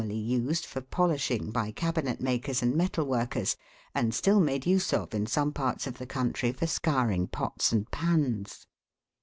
99 used for polishing by cabinet makers and metal workers, and still made use of in some parts of the country for scouring pots and pans.